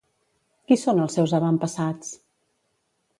Qui són els seus avantpassats?